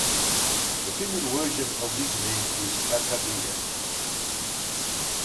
The female version of this name is Athaliah.